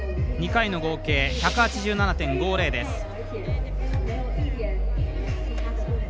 ２回の合計１８７．５０です。